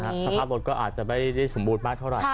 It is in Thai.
สภาพรถก็อาจจะไม่ได้สมบูรณ์มากเท่าไหร่